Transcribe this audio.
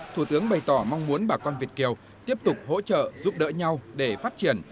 thủ tướng bày tỏ mong muốn bà con việt kiều tiếp tục hỗ trợ giúp đỡ nhau để phát triển